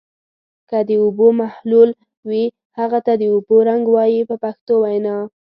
که د اوبو محلل وي هغه ته د اوبو رنګ وایي په پښتو وینا.